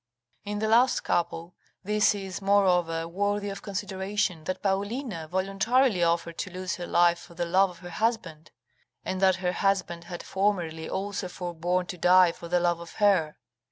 In the last couple, this is, moreover, worthy of consideration, that Paulina voluntarily offered to lose her life for the love of her husband, and that her husband had formerly also forborne to die for the love of her.